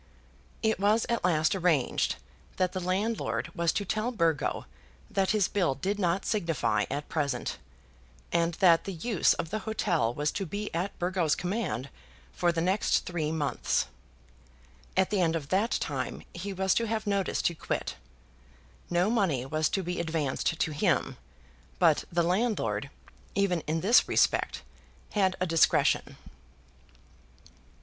It was at last arranged, that the landlord was to tell Burgo that his bill did not signify at present, and that the use of the hotel was to be at Burgo's command for the next three months. At the end of that time he was to have notice to quit. No money was to be advanced to him; but the landlord, even in this respect, had a discretion.